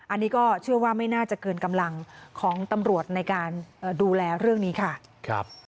อันนี้ก็เชื่อว่าไม่น่าจะเกินกำลังของตำรวจในการดูแลเรื่องนี้ค่ะ